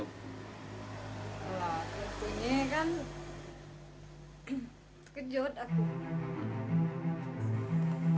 alah tentunya kan kejot aku